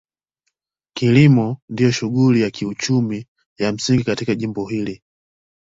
Kilimo ndio shughuli ya kiuchumi ya msingi katika jimbo hili.